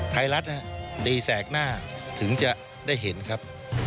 ไทยรัฐตีแสกหน้าถึงจะได้เห็นครับ